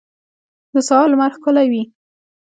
د سهار لمر ښکلی وي.